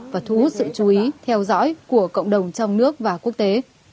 và thú sự chú ý theo dõi của cộng đồng trong nước và quốc tế